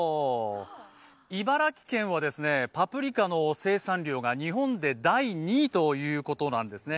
茨城県はパプリカの生産量が日本で第２位ということなんですね。